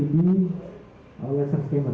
dengan menggunakan metode tiga d laser scanner